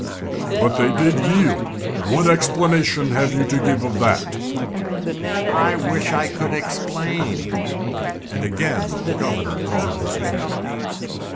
"But they did yield. What explanation have you to give of that?" "I wish I could explain." And again the governor combed his hair.